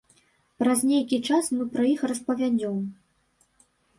Праз нейкі час мы пра іх распавядзём.